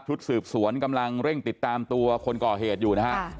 ชุดสืบสวนกำลังเร่งติดตามตัวคนก่อเหตุอยู่นะฮะ